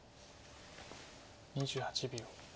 ２８秒。